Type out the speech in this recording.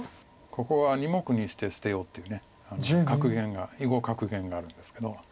ここは２目にして捨てようという囲碁格言があるんですけど。